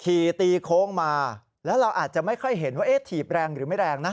ตีโค้งมาแล้วเราอาจจะไม่ค่อยเห็นว่าเอ๊ะถีบแรงหรือไม่แรงนะ